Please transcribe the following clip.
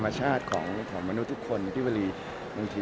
ไม่ใช่ประเด็นที่จะมีผมอะไรทั้งสิ้น